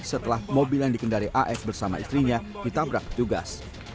setelah mobil yang dikendali af bersama istrinya ditabrak petugas